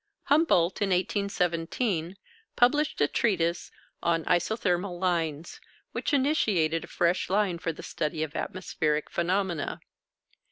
Humboldt, in 1817, published a treatise on "Isothermal Lines," which initiated a fresh line for the study of atmospheric phenomena.